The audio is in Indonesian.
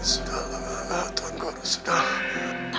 sudahlah tuhan sudahlah